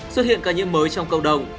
xuất hiện ca nhiễm mới trong cộng đồng